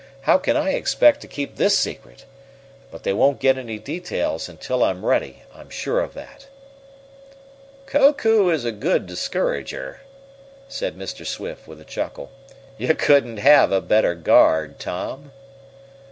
How can I expect to keep this secret? But they won't get any details until I'm ready, I'm sure of that." "Koku is a good discourager," said Mr. Swift, with a chuckle. "You couldn't have a better guard, Tom."